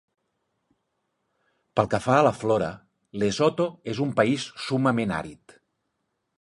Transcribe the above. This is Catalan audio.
Pel que fa a la flora, Lesotho és un país summament àrid.